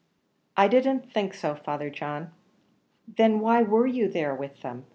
"I didn't think so, Father John." "Then why were you with them?